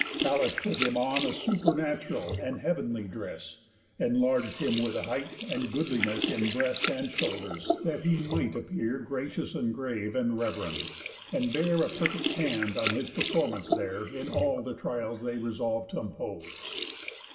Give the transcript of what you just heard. Pallas put him on A supernatural and heav'nly dress, Enlarg'd him with a height, and goodliness In breast and shoulders, that he might appear Gracious, and grave, and reverend, and bear A perfect hand on his performance there In all the trials they resolv'd t' impose.